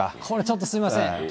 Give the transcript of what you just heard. これ、ちょっとすみません。